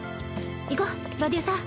行こプロデューサー！